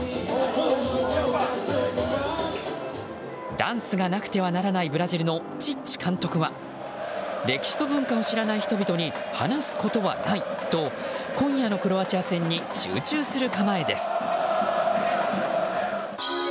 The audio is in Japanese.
ダンスがなくてはならないブラジルのチッチ監督は歴史と文化を知らない人々に話すことはないと今夜のクロアチア戦に集中する構えです。